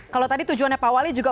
kalau tadi tujuannya pak wali juga